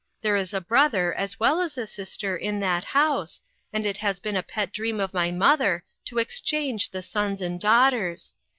There is a brother as well as a sister in that house, and it has been a pet dream of my mother to exchange the sons and daughters.